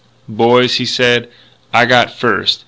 "Boys," he said, "I got first.